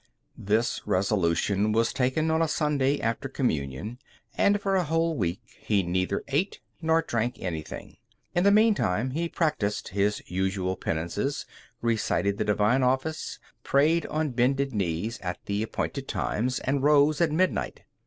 This resolution was taken on a Sunday after communion, and for a whole week he neither ate nor drank anything; in the meantime he practised his usual penances, recited the Divine Office, prayed on bended knees at the appointed times, and rose at midnight.